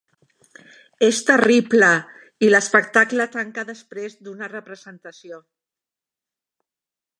És terrible i l'espectacle tanca després d'una representació.